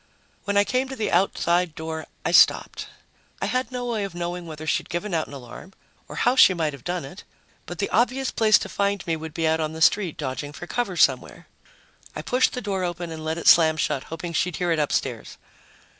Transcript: When I came to the outside door, I stopped. I had no way of knowing whether she'd given out an alarm, or how she might have done it, but the obvious place to find me would be out on the street, dodging for cover somewhere. I pushed the door open and let it slam shut, hoping she'd hear it upstairs.